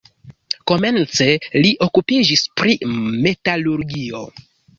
Komence li okupiĝis pri metalurgio.